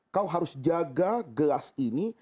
kau harus jaga gelas ini